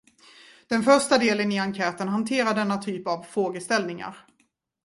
Den första delen i enkäten hanterar denna typ av frågeställningar.